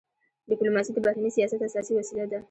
ډيپلوماسي د بهرني سیاست اساسي وسیله ده.